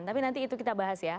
tapi nanti itu kita bahas ya